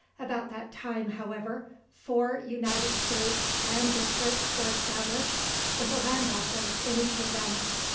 About that time, however, four United States land districts were established, with a land office in each of them.